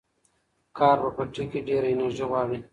کار په پټي کې ډېره انرژي غواړي.